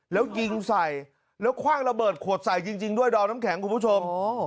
แล้วยิงใส่แล้วคว่างระเบิดขวดใส่จริงด้วยดอมน้ำแข็งคุณผู้ชม